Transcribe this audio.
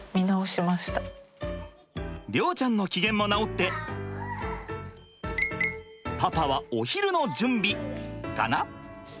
崚ちゃんの機嫌も直ってパパはお昼の準備かな？